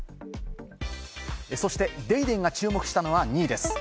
そして『ＤａｙＤａｙ．』が注目したのは２位です。